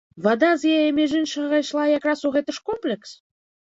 Вада з яе, між іншага, ішла якраз у гэты ж комплекс?